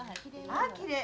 ああきれい！